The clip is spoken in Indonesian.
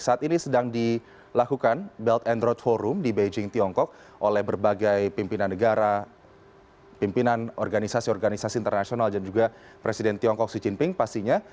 saat ini sedang dilakukan belt and road forum di beijing tiongkok oleh berbagai pimpinan organisasi organisasi internasional dan juga presiden tiongkok xi jinping pastinya